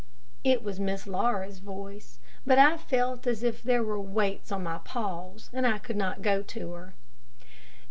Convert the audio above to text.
It was Miss Laura's voice, but I felt as if there were weights on my paws, and I could not go to her.